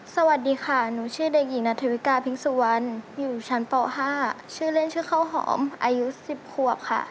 สวัสดีค่ะหนูชื่อเด็กหญิงนัทวิกาพิงสุวรรณอยู่ชั้นป๕ชื่อเล่นชื่อข้าวหอมอายุ๑๐ขวบค่ะ